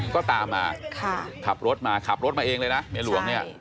ก็ตามมาขับรถมาขับรถมาเองเลยนะเมียหลวงเนี่ย